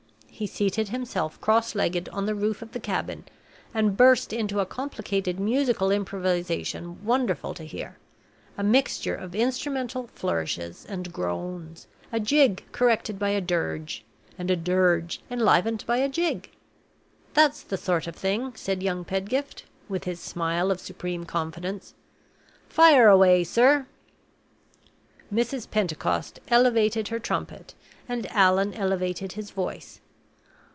He seated himself cross legged on the roof of the cabin, and burst into a complicated musical improvisation wonderful to hear a mixture of instrumental flourishes and groans; a jig corrected by a dirge, and a dirge enlivened by a jig. "That's the sort of thing," said young Pedgift, with his smile of supreme confidence. "Fire away, sir!" Mrs. Pentecost elevated her trumpet, and Allan elevated his voice.